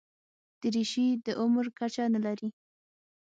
دریشي د عمر کچه نه لري.